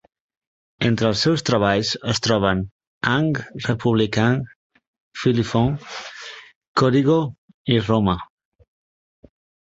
Entre els seus treballs es troben "Ang Republikang Pilipinhon", "Codigo" i "Roma".